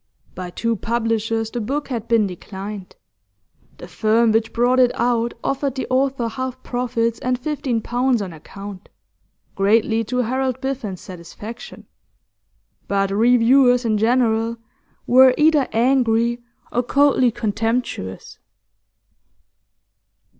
By two publishers the book had been declined; the firm which brought it out offered the author half profits and fifteen pounds on account, greatly to Harold Biffen's satisfaction. But reviewers in general were either angry or coldly contemptuous.